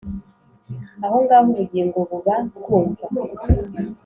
aho ngaho ubugingo buba bwumva